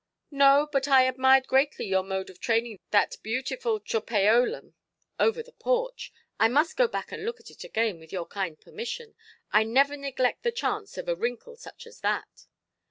"No; but I admired greatly your mode of training that beautiful tropæolum over the porch. I must go and look at it again, with your kind permission. I never neglect the chance of a wrinkle such as that".